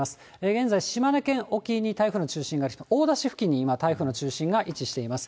現在、島根県沖に台風の中心が、大田市付近に今、台風の位置しています。